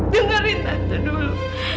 dengar tante dulu